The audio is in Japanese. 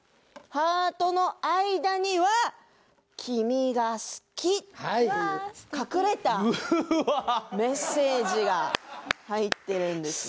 ハートの間には「きみがすき」という隠れたメッセージが入ってるんですね。